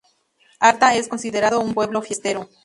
Artá es considerado un pueblo fiestero.